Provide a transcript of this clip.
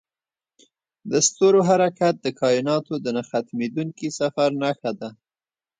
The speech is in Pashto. د ستورو حرکت د کایناتو د نه ختمیدونکي سفر نښه ده.